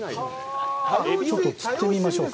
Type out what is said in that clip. ちょっと釣ってみましょうか。